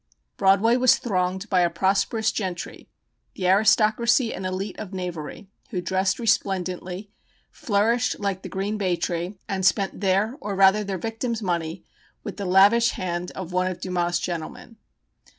Broadway was thronged by a prosperous gentry, the aristocracy and elite of knavery, who dressed resplendently, flourished like the green bay tree, and spent their (or rather their victims') money with the lavish hand of one of Dumas's gentlemen.